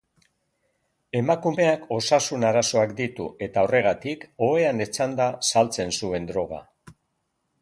Emakumeak osasun arazoak ditu eta horregatik, ohean etzanda saltzen zuen droga.